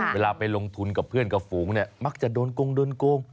เวลาไปลงทุนกับเพื่อนกับฝูงมักจะโดนโกง